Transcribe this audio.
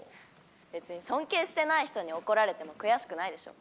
別に尊敬してない人に怒られても悔しくないでしょ？